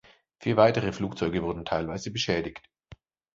Vier weitere Flugzeuge wurden teilweise beschädigt.